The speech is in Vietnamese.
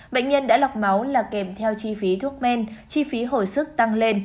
bệnh nhân đã lọc máu là kèm theo chi phí thuốc men chi phí hồi sức tăng lên